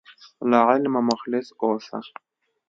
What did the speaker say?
له علمه مخلص اوسه.